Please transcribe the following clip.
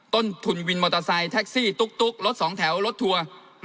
ต้นทุนวินมอเตอร์ไซค์แท็กซี่ตุ๊กรถสองแถวรถทัวร์